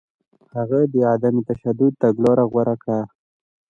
هغه د عدم تشدد تګلاره غوره کړه.